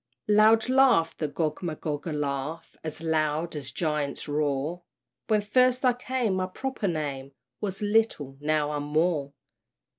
Loud laughed the Gogmagog, a laugh As loud as giant's roar "When first I came, my proper name Was Little now I'm _Moore!